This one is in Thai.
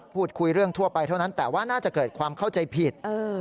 พูดคุยเรื่องทั่วไปเท่านั้นแต่ว่าน่าจะเกิดความเข้าใจผิด